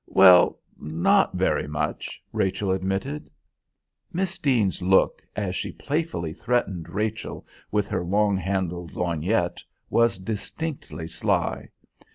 "Well, not very much," Rachel admitted. Miss Dean's look, as she playfully threatened Rachel with her long handled lorgnette, was distinctly sly.